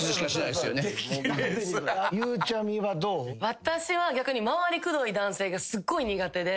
私は逆に回りくどい男性がすごい苦手で。